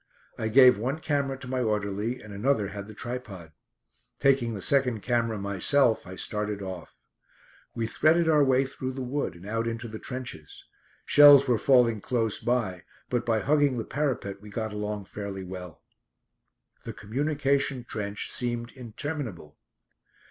I gave one camera to my orderly and another had the tripod. Taking the second camera myself, I started off. We threaded our way through the wood and out into the trenches. Shells were falling close by, but by hugging the parapet we got along fairly well. The communication trench seemed interminable.